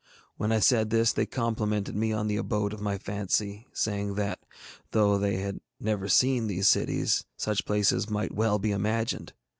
When I said this they complimented me upon the abode of my fancy, saying that, though they had never seen these cities, such places might well be imagined.